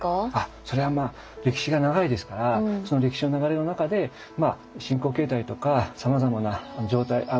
それはまあ歴史が長いですから歴史の流れの中で信仰形態とかさまざまな環境でですね